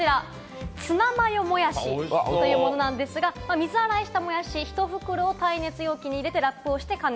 ツナマヨもやしというものなんですが、水洗いしたもやし１袋を耐熱容器に入れてラップし、レンジで加熱。